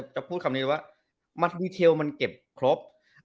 จะพูดคำนี้ว่ามัดวิเทลมันเก็บครบ